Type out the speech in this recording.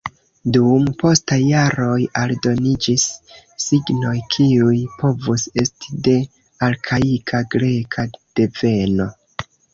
Dum postaj jaroj aldoniĝis signoj, kiuj povus esti de arkaika greka deveno.